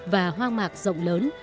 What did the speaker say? và hoang mạc rộng lớn